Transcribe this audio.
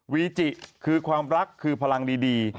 วีจิคือความรักคือพลังดี